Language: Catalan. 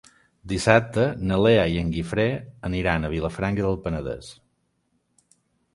Dissabte na Lea i en Guifré aniran a Vilafranca del Penedès.